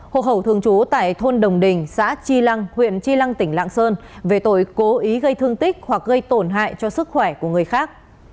hộ khẩu thường trú tại thôn đồng đình xã chi lăng huyện tri lăng tỉnh lạng sơn về tội cố ý gây thương tích hoặc gây tổn hại cho sức khỏe của người khác